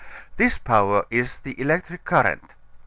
This power is the electric current.